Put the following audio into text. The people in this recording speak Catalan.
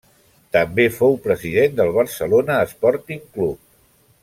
També fou president del Barcelona Sporting Club.